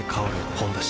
「ほんだし」